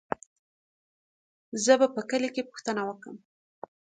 زه به په کلي کې پوښتنه وکم.